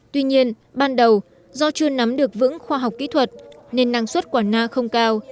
tuy nhiên ban đầu do chưa nắm được vững khoa học kỹ thuật nên năng suất quả na không cao